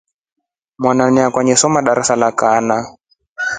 Mwananu akwa esoma darasa la nne.